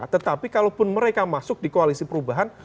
tetapi kalaupun mereka masuk di koalisi perubahan